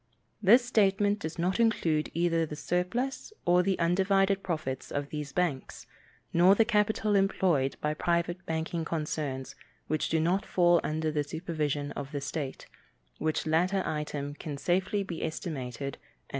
This statement does not include either the surplus or the undivided profits of these banks, nor the capital employed by private banking concerns which do not fall under the supervision of the state, which latter item can safely be estimated at $2,000,000.